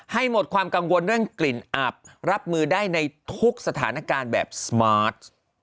ให้หมดความกังวลเรื่องกลิ่นอับรับมือได้ในทุกสถานการณ์แบบสมาร์ท